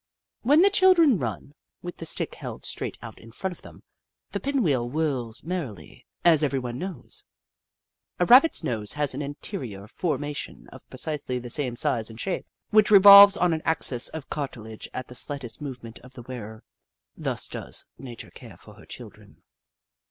When the children run, with the stick held straight out in front of them, the pin wheel whirls merrily, as everyone knows. A Rabbit's nose has an interior for mation of precisely the same size and shape, which revolves on an axis of cartilage at the slightest movement of the wearer. Thus does Nature care for her children.